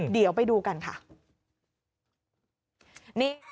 เดี๋ยวไปดูกันค่ะ